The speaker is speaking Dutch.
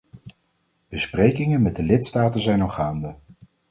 Besprekingen met de lidstaten zijn al gaande.